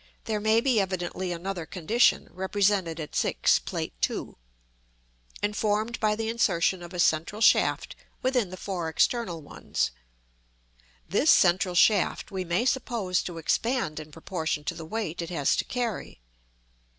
there may be evidently another condition, represented at 6, Plate II., and formed by the insertion of a central shaft within the four external ones. This central shaft we may suppose to expand in proportion to the weight it has to carry.